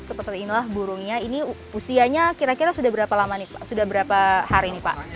seperti inilah burungnya usianya sudah berapa hari